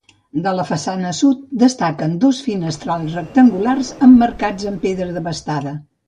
De la façana sud destaquen dos finestrals rectangulars, emmarcats amb pedra desbastada.